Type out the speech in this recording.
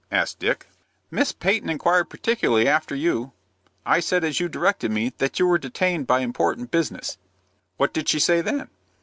asked Dick. "Miss Peyton inquired particularly after you. I said, as you directed me, that you were detained by important business." "What did she say then?"